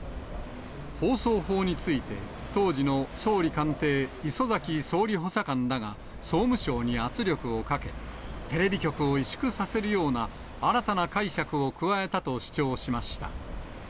放送法について、当時の総理官邸、礒崎総理補佐官らが総務省に圧力をかけ、テレビ局を萎縮させるような新たな解釈を加えたと主張しました。